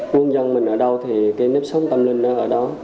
quân dân mình ở đâu thì cái nếp sóng tâm linh nó ở đó